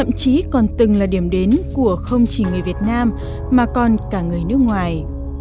không chỉ người việt nam mà còn cả người nước ngoài